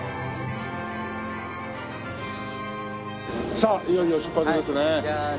さあいよいよ出発ですね。